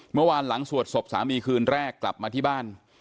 เมื่อวานหลังสวดศพสามีคืนแรกกลับมาที่บ้าน